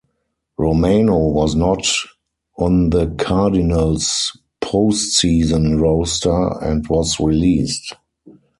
Romano was not on the Cardinals postseason roster and was released.